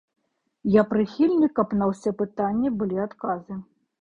Я прыхільнік, каб на ўсе пытанні былі адказы.